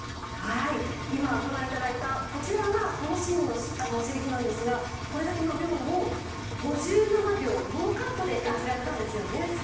今、ご覧いただいたこちらがこのシーンのセリフなんですがこれだけの量を５７秒ノーカットで演じられたんですよね。